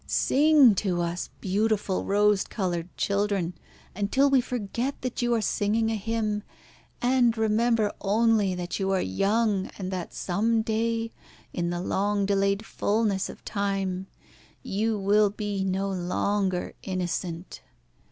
Sing to us, beautiful rose coloured children, until we forget that you are singing a hymn, and remember only that you are young, and that some day, in the long delayed fulness of time, you will be no longer innocent."